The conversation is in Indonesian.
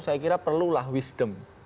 saya kira perlulah wisdom